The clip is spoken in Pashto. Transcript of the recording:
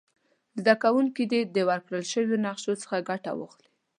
زده کوونکي دې د ورکړ شوې نقشي څخه ګټه واخلي.